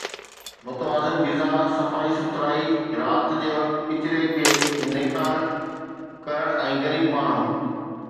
متوازن غذا، صفائي سٿرائي، رات جي وقت ڪچري کي نيڪال ڪرڻ ۽ غريب ماڻهو